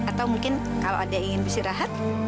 atau mungkin kalau ada yang ingin bersih rahat